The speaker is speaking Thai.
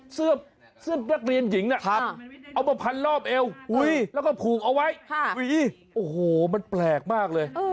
เสื้อนักเรียนหญิงนะครับเอามาพันรอบเอวแล้วก็ผูกเอาไว้โอ้โหมันแปลกมากเลย